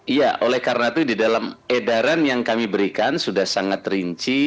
iya oleh karena itu di dalam edaran yang kami berikan sudah sangat rinci